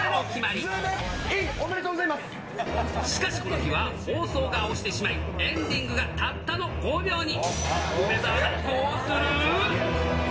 おめでとうごしかしこの日は放送が押してしまい、エンディングがたったの５秒に。